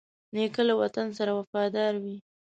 نیکه له وطن سره وفادار وي.